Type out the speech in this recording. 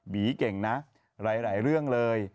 เก่งนะหลายเรื่องเลย